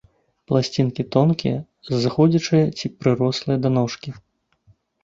Пласцінкі тонкія, зыходзячыя ці прырослыя да ножкі.